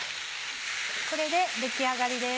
これで出来上がりです。